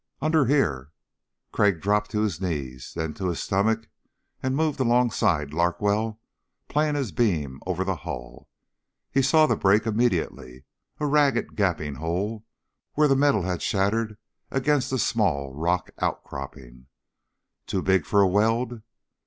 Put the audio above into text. "Under here." Crag dropped to his knees, then to his stomach and moved alongside Larkwell, playing his beam over the hull. He saw the break immediately, a ragged, gaping hole where the metal had shattered against a small rock outcropping. Too big for a weld?